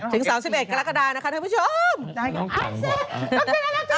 ๓๑กรกฎานะคะท่านผู้ชม